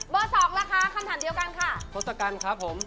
เบอ๒ล่ะคะคำถามเดียวกันค่ะโธฟกันครับผม